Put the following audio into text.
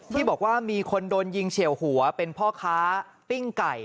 ที่บอกว่ามีคนโดนยิงเฉียวหัวเป็นพ่อค้าปิ้งไก่